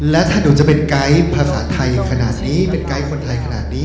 และถ้าหนูจะเป็นไกด์ภาษาไทยขนาดนี้เป็นไกด์คนไทยขนาดนี้